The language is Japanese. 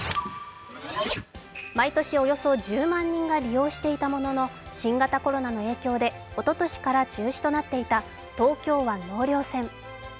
毎年およそ１０万人が利用していたものの新型コロナの影響でおととしから中止となっていた東京湾納涼船。